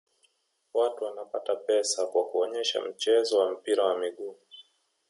watu wanapata pesa kwa kuonesha mchezo wa mpira wa miguu